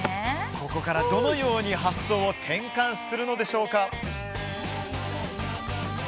ここから、どのように発想を転換するのでしょうか？